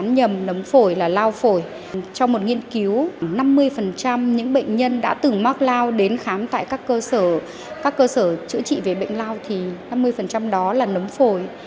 nhầm nấm phổi là lao phổi trong một nghiên cứu năm mươi những bệnh nhân đã từng mắc lao đến khám tại các cơ sở các cơ sở chữa trị về bệnh lao thì năm mươi đó là nấm phổi